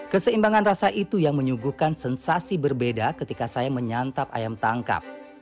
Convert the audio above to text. keseimbangan rasa itu yang menyuguhkan sensasi berbeda ketika saya menyantap ayam tangkap